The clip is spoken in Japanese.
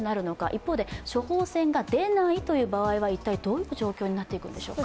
一方で処方箋が出ないという場合は一体どういう状況になっていくんでしょうか？